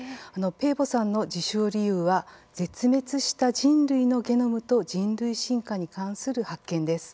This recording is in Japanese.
ペーボさんの授賞理由は「絶滅した人類のゲノムと人類進化に関する発見」です。